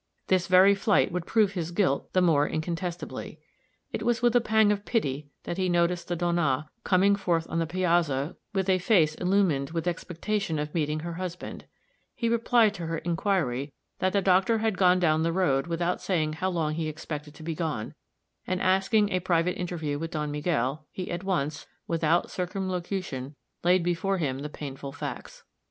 This very flight would prove his guilt the more incontestably. It was with a pang of pity that he noticed the Donna, coming forth on the piazza with a face illumined with expectation of meeting her husband; he replied to her inquiry, that the doctor had gone down the road without saying how long he expected to be gone; and asking a private interview with Don Miguel, he at once, without circumlocution, laid before him the painful facts.